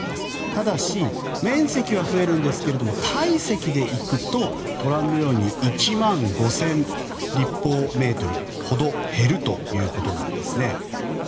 ただし、面積は増えるんですが体積でいくとご覧のように１万５０００立方メートルほど減るということなんですね。